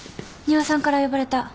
仁和さんから呼ばれた。